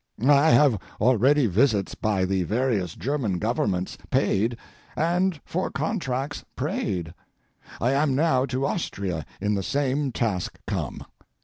I have already visits by the various German governments paid and for contracts prayed. I am now to Austria in the same task come.